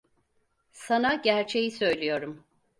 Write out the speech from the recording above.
Sana gerçeği söylüyorum.